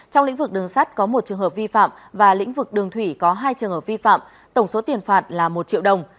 trong lĩnh vực đường sắt có một trường hợp vi phạm và lĩnh vực đường thủy có hai trường hợp vi phạm tổng số tiền phạt là một triệu đồng